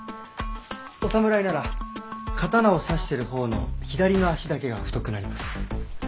お侍なら刀を差してるほうの左の脚だけが太くなります。